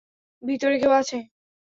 ভিতরে কেউ আছে।